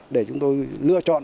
để chúng tôi lựa chọn